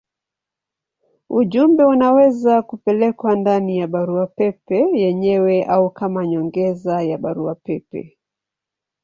Ujumbe unaweza kupelekwa ndani ya barua pepe yenyewe au kama nyongeza ya barua pepe.